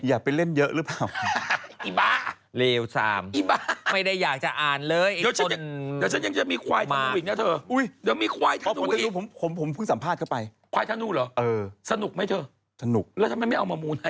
อย่าไปเล่นเยอะหรือเปล่า